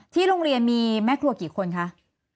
โรงเรียนมีแม่ครัวกี่คนคะ